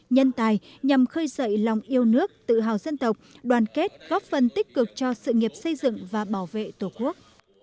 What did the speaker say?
nhân tài nhằm khơi dậy lòng yêu nước tự hào dân tộc đoàn kết góp phần tích cực cho sự nghiệp xây dựng và bảo vệ tổ quốc